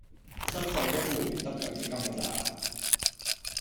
新制公務員得強積金架咋